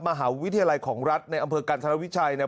มหาวิทยาลัยของรัฐในอำเภอกันธรวิชัยเนี่ย